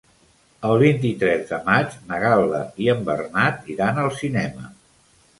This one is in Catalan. El vint-i-tres de maig na Gal·la i en Bernat iran al cinema.